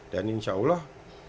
dan insya allah